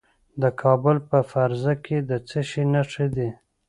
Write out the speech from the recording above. د کابل په فرزه کې د څه شي نښې دي؟